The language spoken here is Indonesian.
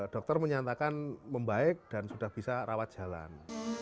dokter menyatakan membaik dan sudah bisa rawat jalan